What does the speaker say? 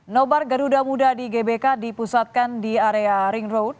nobar garuda muda di gbk dipusatkan di area ring road